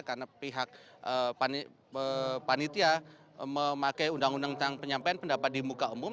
karena pihak panitia memakai undang undang tentang penyampaian pendapat di muka umum